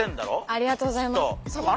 ありがとうございます。